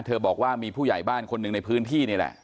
บอกว่ามีผู้ใหญ่บ้านคนหนึ่งในพื้นที่นี่แหละ